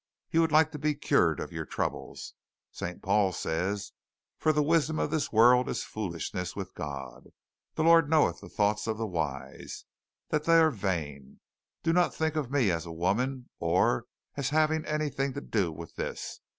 You would like to be cured of your troubles. St. Paul says, 'For the wisdom of this world is foolishness with God.' 'The Lord knoweth the thoughts of the wise that they are vain.' Do not think of me as a woman, or as having had anything to do with this.